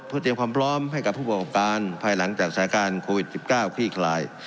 เพื่อเตรียมความพร้อมให้กับผู้ประกอบการภายหลังจากสถานการณ์โควิด๑๙คลี่คลาย